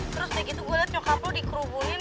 terus kayak gitu gue liat nyokap lo dikerubungin